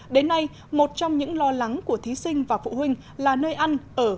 đến nay một trong những lo lắng của thí sinh và phụ huynh là nơi ăn ở